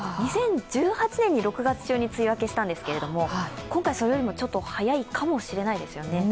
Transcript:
２０１８年に６月中に梅雨明けしたんですけれども今回それよりも早いかも知れないですよね。